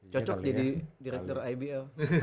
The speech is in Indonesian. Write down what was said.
cocok jadi direktur ibl